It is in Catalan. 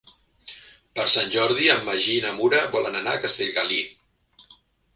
Per Sant Jordi en Magí i na Nura volen anar a Castellgalí.